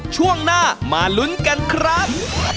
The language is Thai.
ช่วงหน้ามาลุ้นกันครับ